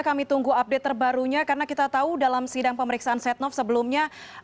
kami tunggu update terbarunya karena kita tahu dalam sidang pemeriksaan setnov sebelumnya